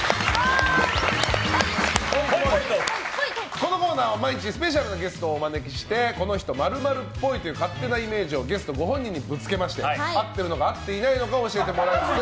このコーナーは毎日スペシャルなゲストをお招きしてこの人○○っぽいという勝手なイメージをゲストご本人にぶつけまして合ってるの合っていないのかを教えてもらいつつ。